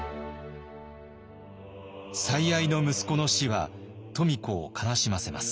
最愛の息子の死は富子を悲しませます。